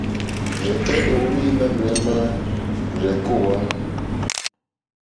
Rzeke o ohwi nanù ema rzekɛtɛ o wa e?